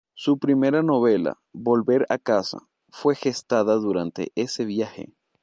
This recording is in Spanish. Su primera novela, "Volver a casa", fue gestada durante ese viaje.